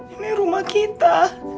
ini rumah kita